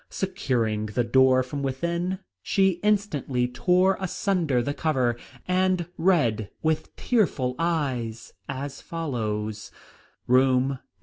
Securing the door from within, she instantly tore asunder the cover, and read with tearful eyes as follows: "Room No.